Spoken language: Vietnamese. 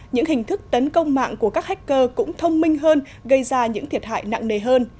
những hình thức tấn công mạng của các hacker cũng thông minh hơn gây ra những thiệt hại nặng nề hơn